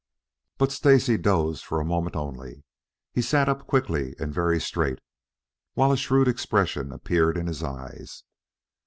But Stacy dozed for a moment only. He sat up quickly and very straight, while a shrewd expression appeared in his eyes.